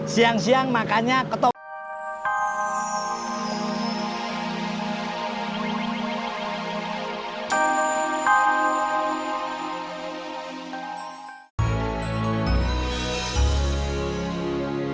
siang siang makanya ke toprak